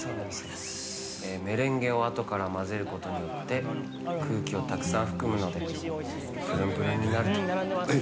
メレンゲをあとから混ぜることによって空気をたくさん含むのでプルンプルンになると。